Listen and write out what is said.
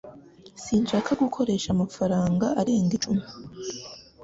Sinshaka gukoresha amafaranga arenga icumi